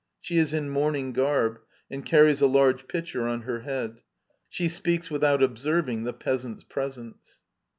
She is in mourning garby and carries a large pitcher on her head. She speaks without observing the Peasant's presence.